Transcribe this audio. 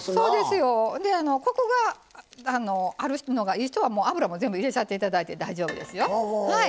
コクがあるのが、実は脂も全部入れちゃっていただいて大丈夫ですよ。